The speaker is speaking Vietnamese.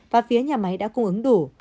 và phía nhà máy đã cung ứng đủ